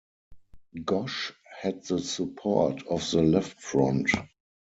Ghosh had the support of the Left Front.